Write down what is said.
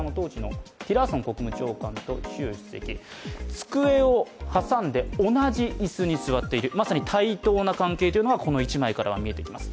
机を挟んで同じ椅子に座っている、まさに対等な関係というのがこの一枚からは見えてきます。